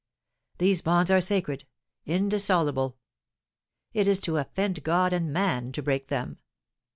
These bonds are sacred, indissoluble: it is to offend God and man to break them.